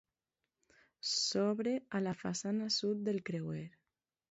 S'obre a la façana sud del creuer.